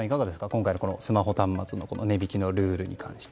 今回のスマホ端末の値引きのルールに関して。